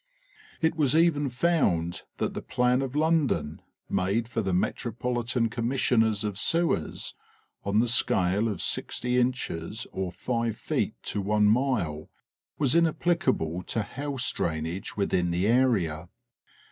It was even found that the plan of London, made for the Metropolitan Commissioners of Sewers, on the scale of sixty inches or five feet to one mile was inapplicable to house drainage within the area.